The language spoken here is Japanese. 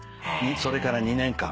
それから２年間。